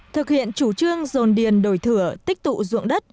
thực hiện chủ trương dồn điền đổi thửa tích tụ ruộng đất